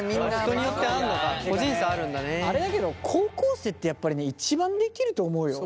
高校生ってやっぱりね一番できると思うよ。